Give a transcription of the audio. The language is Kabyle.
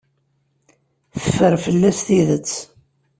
Teffer fell-as tidet.